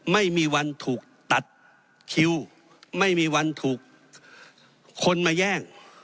ไม่มีวันถูกตัดคิวไม่มีวันถูกคนมาแย่ง